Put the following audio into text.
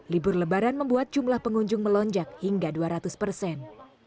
libur lebaran membuat jumlah pengunjung melonjak hingga dua ratus persen